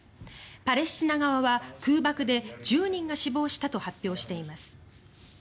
パレスチナ側は空爆で１０人が死亡したと発表しています。